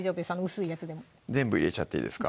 薄いやつでも全部入れちゃっていいですか？